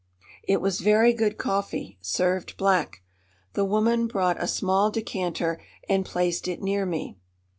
It was very good coffee, served black. The woman brought a small decanter and placed it near me.